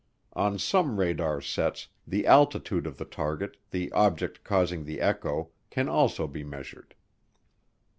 On some radar sets the altitude of the target, the object causing the echo, can also be measured.